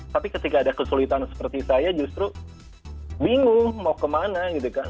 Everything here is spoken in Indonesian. tapi ketika ada kesulitan seperti saya justru bingung mau kemana gitu kan